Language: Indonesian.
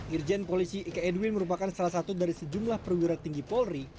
irjen polisi ika edwin merupakan salah satu dari sejumlah perwira tinggi polri